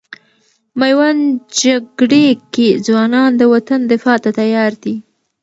میوند جګړې کې ځوانان د وطن دفاع ته تیار دي.